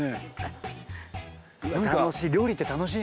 楽しい。